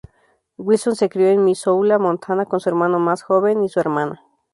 Wilson se crio en Missoula, Montana con su hermano más joven y su hermana.